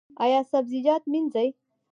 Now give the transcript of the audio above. ایا سبزیجات مینځئ؟